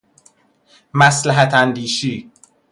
مصلحت اندیشی